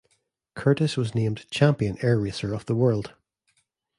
Curtiss was named "Champion Air Racer of the World".